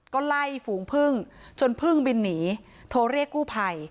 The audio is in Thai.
ก็ไล่ฝูงพึ่งจนพึ่งบินหนีโทรเรียกกู้ภัย